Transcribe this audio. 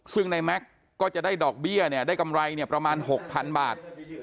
ซึ่งในแม็กซ์ก็จะได้ดอกเบี้ยเนี่ยได้กำไรประมาณ๖๐๐๐บาท